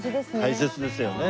大切ですよね。